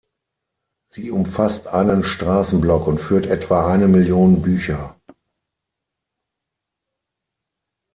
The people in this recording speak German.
Sie umfasst einen Straßenblock und führt etwa eine Million Bücher.